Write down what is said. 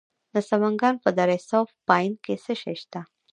د سمنګان په دره صوف پاین کې څه شی شته؟